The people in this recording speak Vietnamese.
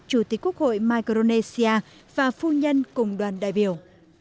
chủ tịch quốc hội micronesia và phu nhân cùng đoàn đại biểu